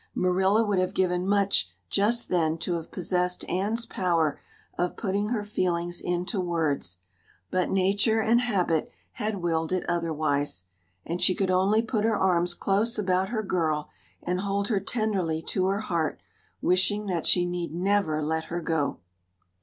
Marilla would have given much just then to have possessed Anne's power of putting her feelings into words; but nature and habit had willed it otherwise, and she could only put her arms close about her girl and hold her tenderly to her heart, wishing that she need never let her go.